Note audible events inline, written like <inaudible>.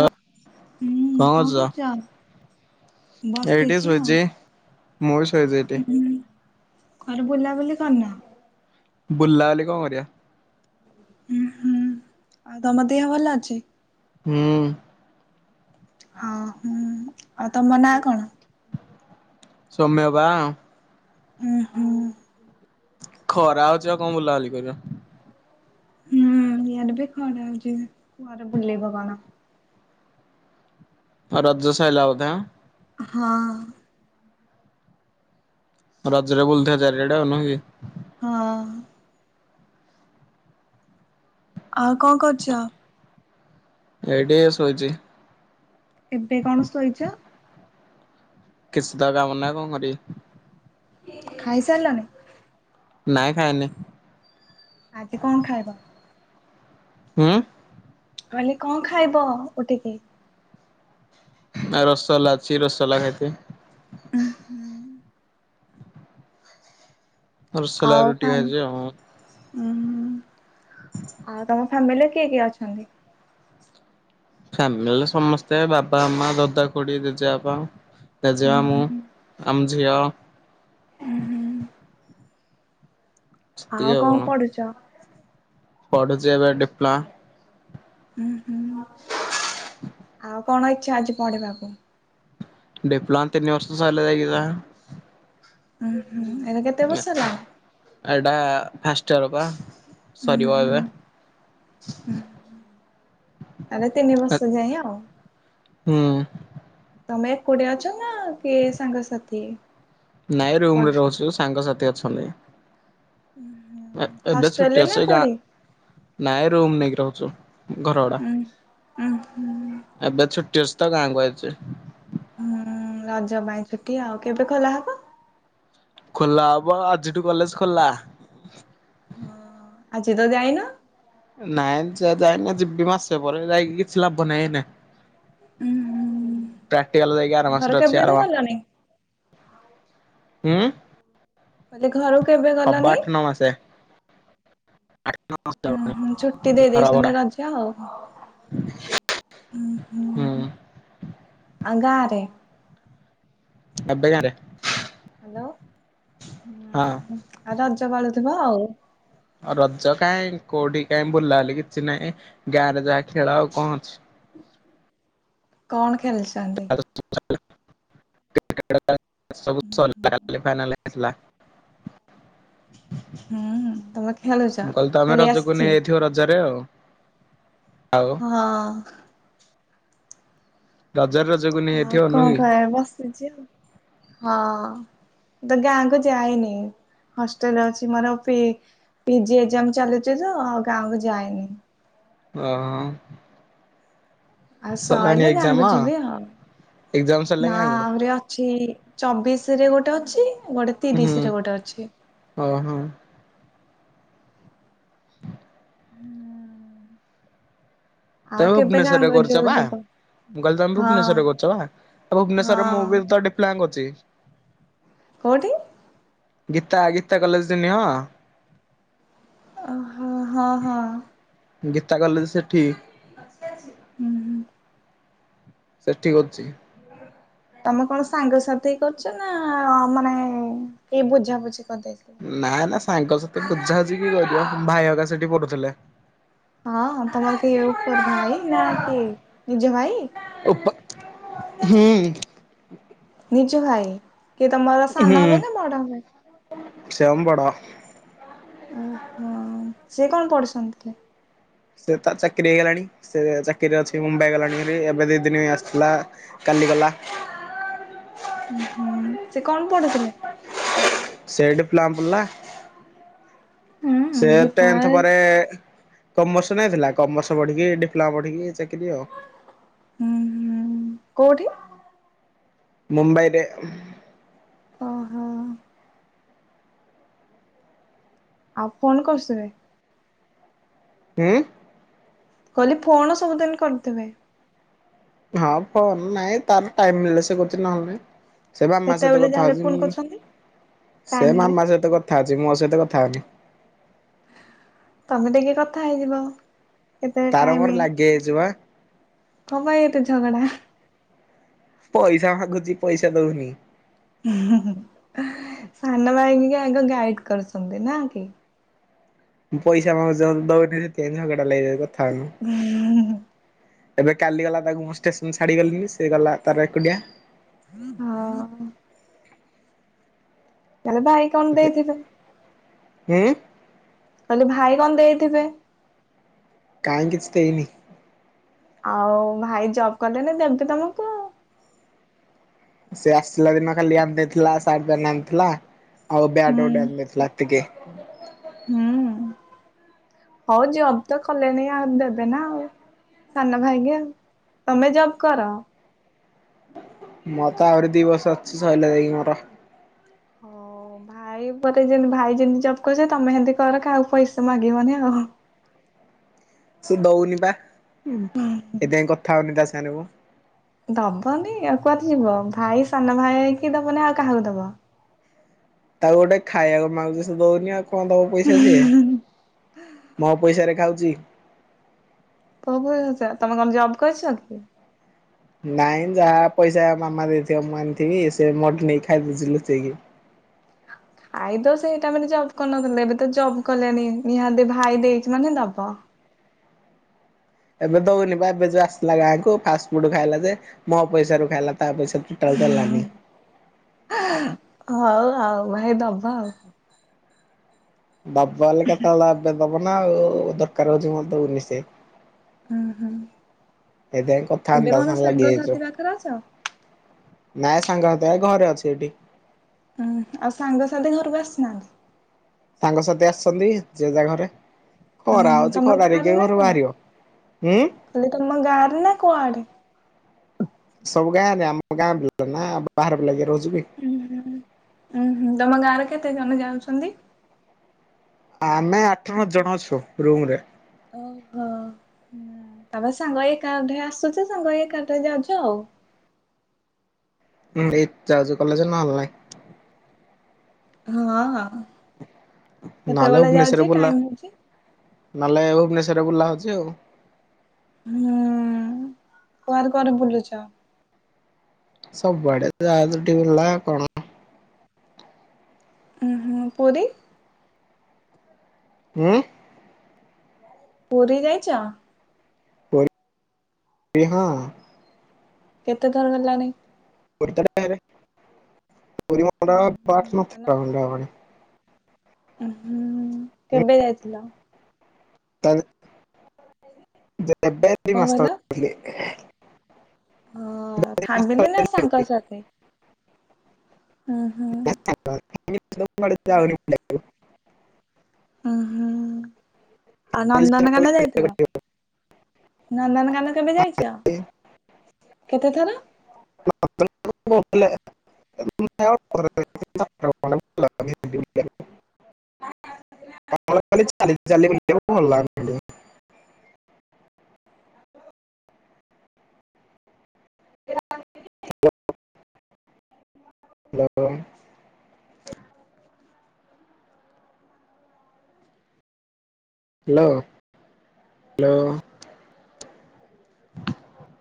ଲ ହୁଁ କଁ କଣ କରୁଛ, ଏଇ ଟିକେ ବସିଛି ଆଉ ଶୋଇଚି। ମୋର <unintelligible> କୁଆଡେ଼ ବୁଲାବୁଲି କରନ। ବୁଲା ବୁଲି କଣ କରିବା। ହୁଁ ହୁଁ ଆଉ ତମ ଦେହ ଭଲ ଅଛି। ହୁଁ ଆ ହୁଁ ଆଉ ତମ ନାଁ କଣ? ସୋମ୍ୟ ବା। ଉଁ ହୁଁ। ଖରା ହଉଛି ଆଉ କଣ ବୁଲାବୁଲି କରିବ। ହୁଁ ଇଆଡ଼େ ବି ଖରା ହୋଉଛି କୁଆଡ଼େ ବୁଳିବ କଣ। ଆଉ ରଜ ଶଇଲା ବୋଧେ ଆ। ହଁ। ରଜ ରେ ବୁଲଥିବେ ଚାରିଆଡ଼େ ନୁହ କି। ହଁ। ଆଉ କଣ କରୁଛ? ଏଇଠି ଶୋଇଚି। ଏବେ କଣ ସୋଇଛ। କିସ୍ତ କାମ ନାହିଁ କଣ କରିବି। ଖାଇସାରିଲନି। ନାଇଁ ଖାଇନି। ଆଜି କଣ ଖାଇବ? ଉଁ ମୁଁ କହିଲି କଣ ଖାଇବ ଉଠିକି। ଆ ରସଗଲଲା ଅଛି ରସଗୋଲା ଖାଇଦେବି। ଉ ହୁଁ। ରସଗୋଲା ଆଉ ରୁଟି କାମ ଖାଇଚି ଆଉ। <unintelligible> ଉଁ ହୁଁ ଆଉ ତମ ଫାମିଲିରେ କିଏ କିଏ ଅଛନ୍ତି? ଫ୍ୟାମିଲିରେ ସମସ୍ତେ ବାବା ମା ଦଦା ଖୁଡି ଜେଜେ ବାପା। ଉଁ ଜେଜେମା ମୁଁ ହୁଁ ଆମଝିଅ। ଉଁ ହୁଁ ସେତିକି ଆଉ କଣ ପଢୁଛ? ପଢୁଛି ଏବେ ଡିପ୍ଲୋମା। ଉ ହୁଁ‌ ଆଉ କଣ ଇଚ୍ଛା ଅଛି ପଢିବାକୁ। ଡିପ୍ଲୋମା ତିିନି ବର୍ଷ ସାଇଲେ ଜାଇକି ଯାହା। ଉୁଁ ହୁଁ ଏରା କେତେ ବର୍ଷ ହେଲା। ଏଇଟା ଫାଷ୍ଟୟର ପା। ଉଁ ସରିବ ହୁଁ ଏବେ। ଆରେ ତିନି ବର୍ଷ ଯାଇ ଆଉ। ହୁଁ। ତମେ କୋଉଠି ଅଛ ନା କି ସାଙ୍ଗସାଥି। ନାଇଁ ରୁମ ରେ ପଢୁଛନ୍ତି? ରହୁଛୁ ସାଙ୍ଗସାଥି ଅଛନ୍ତି। ଏବେ ହଷ୍ଟେଲରେ ଛୁଟି ନା ଅଛି ଗାଁ କୋଉଠି? ନାଇଁ ରୁମ୍ ନେଇକି ରହୁଛୁ ଘରଭଡ଼ା। ଉଁ ଉଁ ହୁଁ। ଏବେ ଛଟି ଅଛିତ ଗାଁ କୁ ଆଇଛି। ହୁଁ ରଜ ପାଇଁ ଛୁଟି ଆଉ କେବେ ଖୋଲା ହବ? ଖୋଲା ହବ ଆଜିଠୁ କଲେଜ ଖୋଲା। ହଁ ଆଜି ତ ଯାଇନ। ନାଇଁ ଯ ଯାଇନା ଯିବି ମାସେ ପରେ ଯାଇକି କିଛି ଲାଭ ନାହିଁ ଏଇନା। ଉଁ ହୁଁ ପ୍ରାକ୍ଟିକାଲ ଯାଇକି ଆର ଘର ମାସରେ ଅଛି କେବେଠୁ ଆର ମା ଗଲଣି? ହୁଁ। କହିଲେ ଘରକୁ କେବେ ହବ ଗଲାନି? ଆଠ ମାସେ। ଆ <unintelligible> ଓହୋ ଛୁଟି ଦେଇ ଦେଇଛନ୍ତି ରଜ ଆଉ। ହୁଁ ହୁଁ ଆ ଗାଁରେ। ଏବେକାରେ ହ୍ୟାଲୋ ଆଉ ରଜ ପାଳୁଥିବ ଆଉ। ଆ ରଜ କାହିଁ କୋଉଠି କାଇହିଁ ବୁଲା ହେଲି କିଛି ନାହିଁ ଗାଁ ରେ ଯାହା ଖେଳ ଆଉ କଣ ଅଛି। କଣ ଖେଳିଛି? <unintelligible> ହେଲା। ହୁଁ ତମେ ଖେଳୁଛ ମୁଁ କହିଲି ତ ଆମେ ଖେଳି ରଜକୁ ଆସିଛି? ନେଇଯାଇଥିବ ରଜରେ ଆଉ। ଆଉ। ହଁ। ବଜାର ରଜକୁ ନେଇ ଆଉ ଏଥିବ ଅନୁ କଣ କି? କହ ହଁ। ତ ଗାଁ କୁ ଯାଇନି ହଷ୍ଟେଲ ଅଛି ମୋର। ପିଜି ଏକ୍ଜାମ ଚାଲୁଛି ତ ଆଉ ଗାଁକୁ ଯାଏନି। ଅହ। ଆଉ ସରିଲେ ଏକ୍ଜାମ? ଗାଁକୁ ଯିବି ଆଉ ଏକ୍ଜାମ ସରିଲା ନା ଗାଁକୁ ଆହୁରି ଅଛି। ଚବିଶ ରେ ଗୋଟେ ଅଛି ଗୋଟେ ତିରିଶ ରେ ଗୋଟେ ଅଛି। ହଁ ହଁ। ହଁ ହୁଁ। ତମେ କେବେ ଭୁବନେଶ୍ୱର ରେ ଗାଁକୁ କରୁଛ ଯୋଉ ବା? ଯିବ ମୁଁ କହିଲି ତମେ ହଁ ଭୁବନେଶ୍ୱରରେ କରିଛ ଆଉ ଭୁବନେଶ୍ୱରରେ ମୁଁ ହଁ ବି ତେ ପ୍ଲାନ୍ ଅଛି। କୋଉଠି? ଗୀତା ଗୀତା କଲେଜରେନି ହଁ। ଅହ ହଁ ହଁ। ଗୀତା କଲେଜ ସେଠି? <unintelligible> ହୁଁ ହୁଁ। ସେଠି ଅଛି। ତମେ କଣ ସାଙ୍ଗସାଥି କରୁଛ ନା ମାନେ କେହି ବୁଝାବୁଝି କରିଦେଇଛନ୍ତି। ନା ନା ସାଙ୍ଗସହିତ ବୁଝାୁଝିକ କରିବ ଭାଇକା ସେଠି ପଢୁଥିଲେ। ହଁ ତମର କେହି ଉପର ଭାଇ ନା କିଏ ନିଜ ଭାଇ? ଉପା ହଁ। ନିଜ ଭାଇ, କିଏ ତମର ସାନ ହୁଁ ହାଏ ନା ବଡ଼ ହେବେ? ସେ ଆମ ବଡ଼। ଓହୋଃ ସେ କଣ ପଢ଼ୁଛନ୍ତି କି? ସେ ତାର ଚାକିରି ହେଇଗଲାଣି ସେ ଚାକିରିରେ ଅଛି ମୁମ୍ବାଇ ଗଲାଣି ଭାରି ଏବେ ଦିଇ ଦିନ ଆସିଥିଲା କାଲି ଗଲା। ଉ ହୁଁ ସେ କଣ ପଢ଼ୁଥିଲେ? ସେ ଏଇ ଡିପ୍ଲୋମା ପଢ଼ିଲା ହୁଁ ସେ ଟେନ୍ଥ୍ ଦୀପମାଳି ପରେ କମର୍ସ ନେଇ ଥିଲା କମର୍ସ ପଢି଼କି ଡିପ୍ଲୋମା ପଢି଼କି ଚାକିରି ଆଉ। ହୁଁ ହୁଁ କୋଉଠି? ମୁମ୍ବାଇରେ। ଓହୋଃ। ଆଉ ଫୋନ୍ କରୁସେ? ହଁ? କହିଲି ଫୋଣ ସବୁଦିନ କରୁଥିବେ? ହଁ ଫୋନ ନାଇଁ ତାର ଟାଇମ ମିଳିଲେ ସେ କରୁଛି ନହେଲେ ନାହିଁ। ସେ ମାମା ସହିତ କେତେବେଳେ କଥା ଯାହାହେଲେ ହଉଛି ଫୋନ ମୁ କରୁଛନ୍ତି ଟାଇମ ସେ ହେଲେ ମାମା ସହିତ କଥା ହଉଛି ମୋ ସହିତ କଥା ହଉନି। ତମେ ଟିକେ କଥା ହେଇଯିବ। କେତେବେଳେ ତାର ମୋର ଟାଇମ ଲାଗି ଯାଇଛୁ ବା। କଣ ପାଇଁ ଏତେ ଝଗଡ଼ା? ପଇସା ମାଗୁଛି ପଇସା ଦଉନି। ସାନ ଭାଇ ଆଗ ଗାଇଡ଼୍ କରୁଛନ୍ତି ନା କି? ମୁଁ ପଇସା ମାଗୁଛି ସିଏ ମତେ ଦଉନି ସେଥିପାଇଁ ଝଗଡ଼ା ଲାଗିଛୁ ଆଉ କଥା ହଉନୁ। ଏବେ କାଲି ଗଲା ତାକୁ ମୁଁ ଷ୍ଟେସନ ଛାଡ଼ି ଗଲିନି ସେ ଗଲା ତାର ଏକୁଟିଆ। ଓଃ। ତାହେଲେ ଭାଇ କଣ ଦେଇଥିବେ? ହୁଁ? କହିଲି ଭାଇ କଣ ଦେଇଥିବେ? କାଇଁ କିଛି ଦେଇନି। ଆଉ ଭାଇ ଜବ୍ କଲେଣି ଦେବେ ତମକୁ ଆଉ। ସେ ଆସିଲା ଦିନ ଖାଲି ଆଣି ଦେଇଥିଲା ଶାର୍ଟ ପ୍ୟାଣ୍ଟ୍ ଆଣିଥିଲା ଆଉ ବ୍ୟାଟ୍ ହୁଁ ଗୋଟେ ଆଣି ଦେଇଥିଲା ଏତିକି। ହୁଁ ହଉ ଜବ୍ ତ କଲେଣିି ଆଉ ଦେବେ ନା ଆଉ‌। ସାନ ଭାଇ କୁ ଆଉ ତମେ ଜବ୍ କର। ମୋର ତ ଆହୁରି ଦି ବର୍ଷ ଅଛି ସଇଲେ ଯାଇକି ମୋର ହଉ ଭାଇ ପରେ ଯେମତି ଭାଇ ଯେମିତି ଜବ୍ କରୁଛନ୍ତି ତମେ ସେମିତି କର କାହାକୁ ପଇସା ମାଗିବନି ଆଉ। ସେ ଦଉନି ବା ସେଥିପାଇଁ କଥା ହଉନି ତା ସାଙ୍ଗ ରେ ମୁଁ। ଦବନି ଆଉ କୁଆଡ଼େ ଯିବ ଭାଇ ସାନ ଭାଇ କି ଦବନି ଆଉ କାହାକୁ ଦବ? ତାକୁ ଗୋଟେ ଖାଇବାକୁ ମାଗୁଛି ସେ ଦଉନି ଆଉ କଣ ଦେବ ପଇସା ସିଏ ମୋ ପଇସାରେ ଖାଉଛି। <unintelligible> ତମେ କଣ ଜବ୍ କରିଛ କି? ନାଇଁ ଯାହା ପଇସା ମାମା ଦେଇଥିବ ମୁଁ ଆଣିଥିବି ସେ ମୋ ଠୁ ନେଇକି ଖାଇଦଉଛି ଲୁଚେଇକି। ଆଇଦର୍ ସେଇ ଟାଇମରେ ଜବ୍ କରିନଥିଲେ ଏବେ ତ ଜବ୍ କଲେଣି ନିହାତି ଭାଇ ଦେଇଛି ମାନେ ଦବ। ଏବେ ଦଉନି ବା ଏବେ ଯୋଉ ଆସିଲା ଗାଁକୁ ଫାଷ୍ଟ ଫୁଡ୍ ଖାଇଲା ଯେ ମୋ ପଇସା ରୁ ଖାଇଲା ତା ପଇସା ଟୋଟାଲି ଦେଲାନି। ହଉ ଆଉ ଭାଇ ଦବ ଆଉ। ଦବ ବୋଲି କେତେବେଳେ ଏବେ ଦବ ନା ଆଉ ଦରକାର ହଉଛି ମୋର ଦଉନି ସେ। ହୁଁ ହୁଁ। ସେଇଥିପାଇଁ କଥା ଏବେ ହଉନି ତା କଣ ସାଙ୍ଗ ରେ ଲାଗି ସାଙ୍ଗସାଥି ଯାଇଛୁ। ପାଖରେ ଅଛ? ନାଇଁ ସାଙ୍ଗସାଥୀ ଏ ଘରେ ଅଛି ଏଠି। ହୁଁ ଆଉ ସାଙ୍ଗସାଥି ଘରକୁ ଆସିନାହାଁନ୍ତି? ସାଙ୍ଗସାଥି ଆସିଛନ୍ତି ଯିଏ ଜା ଘରେ। ଉଁ ଖରା ହଉଛି ତମ ଖରାରେ କିଏ ଘରୁ ବାହାରିବ ହୁଁ ତମେ ତମ ଗାଁରେ ନା କୁଆଡେ଼? ସବୁ ଗାଁରେ ଆମ ଗାଁ ବିଲ ନା ବାହାର ପିଲା ବି ରହୁଛ ଉୁଁ ହୁଁ ଉଁ ହୁଁ ତମ ଗାଁରେ କେତେ ଜଣ ଯାଉଛନ୍ତି? ଆମେ ଆଠ ନ ହଷ୍ଟେଲ ଜଣ ଅଛୁ ରୁମ୍ ରେ। ଓହୋ। ତାପରେ ସାଙ୍ଗ ଏଇକା ଅଭ୍ୟାସ ଅଛି ସାଙ୍ଗ ହେଇ ଏକାଥରେ ଯାଉଛ ଆଉ। ହୁଁ ଏଇ ଯାଉଜ କଲେଜ ନହଲେ ନାଇଁ ହଁ ହଁ ନହେଲେ କେତେବେଳେ ଭୁବନେଶ୍ୱରରେ ଯାଉଛି ବୁଲା ଟାଇମ ହଉଛି। ନହେଲେ ଭୁବନେଶ୍ୱରରେ ବୁଲା ହଉଛି ଆଉ। ହୁଁ କୁଆରେ କୁଆରେ ବୁଲିଛ? ସବୁଆଡ଼େ <unintelligible> ହୁଁ ହୁଁ ପୁରି ହୁଁ। ପୁରୀ ଯାଇଛ? <unintelligible> କେତେଥର ହେଲାଣି? ଉହୁଁ, <unintelligible> ହୁଁ ହୁଁ କେବେ ଯାଇଥିଲ? କଣ କହିଲ <unintelligible> ହ ଏଇ ମାସ ତଳେ ଫାମିଲି ନା ଯାଇଥିଲି ପୁରୀ। ସାଙ୍ଗ ସାଥି ହୁଁ ହୁଁ। <unintelligible> ଉ ହୁଁ ଆଉ ଚାଲି ନନ୍ଦନକାନ ଯାଇଥିଲ। ବୁଲିବାକୁ ନନ୍ଦନକାନ କେବେ ଯାଇଛ କେତେଥର? <unintelligible> <unintelligible> <inaudible> Hello hello <inaudible>